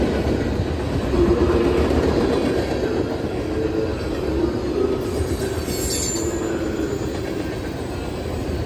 Todas las transacciones están ligadas a la bolsa de la plataforma de negociación.